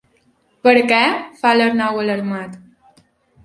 Per què? —fa l'Arnau, alarmat.